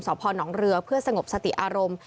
พ่อนเรือเพื่อสงบสติอารมณ์